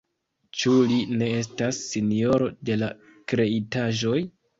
Ĉu li ne estas sinjoro de la kreitaĵoj?